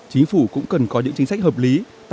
chính phủ cũng cần có những chính sách hợp lý